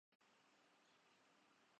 دانشوران کرام جمہوریت کا راگ الاپتے ہیں یا